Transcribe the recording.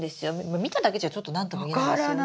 見ただけじゃちょっと何とも言えないですよね。